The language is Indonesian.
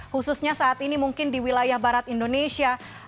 khususnya saat ini mungkin di wilayah barat indonesia